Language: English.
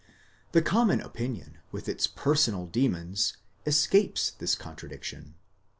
The com mon opinion, with its personal demons, escapes this contradiction.